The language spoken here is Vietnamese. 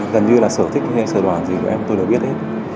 gần như là sở thích hay sở đoàn gì của em tôi đã biết hết